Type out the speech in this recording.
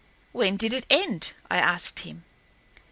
"When did it end?" I asked him.